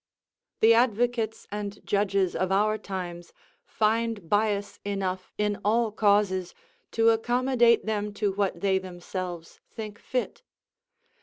The advocates and judges of our times find bias enough in all causes to accommodate them to what they themselves think fit.